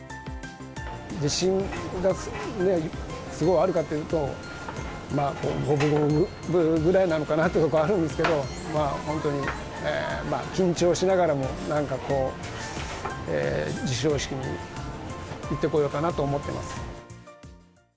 自信がすごいあるかっていうと、五分五分ぐらいなのかなってとこあるんですけど、本当に緊張しながらも、なんかこう、授賞式に行ってこようかなと思ってます。